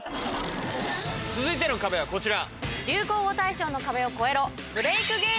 続いての壁はこちら。